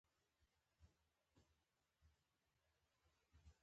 لکه دمخه چې مې یادونه وکړه.